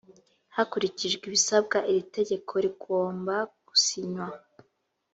hakurikijwe ibisabwa iri tegeko rigomba gusinywa